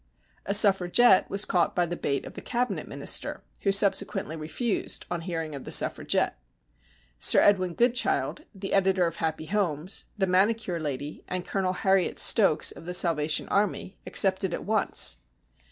A Suffragette was caught by the bait of the Cabinet Minister, who subsequently refused on hearing of the Suffragette. Sir Edwin Goodchild, the editor of Happy Homes, the manicure lady, and Colonel Harriet Stokes, of the Salvation Army, accepted at once.